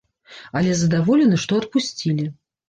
Але задаволены, што адпусцілі.